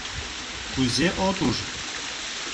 — Кузе от уж...